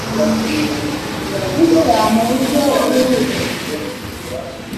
bishya mu buryo bwihuse